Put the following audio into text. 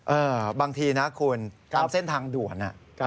บางทีนะคุณตามเส้นทางด่วน